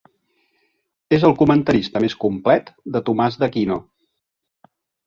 És el comentarista més complet de Tomàs d'Aquino.